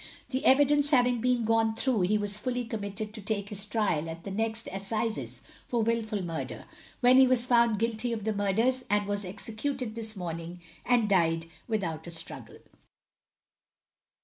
The evidence having been gone through, he was fully committed to take his trial at the next Assizes for wilful murder, when he was found guilty of the murders, and was EXECUTED THIS MORNING and died without a struggle.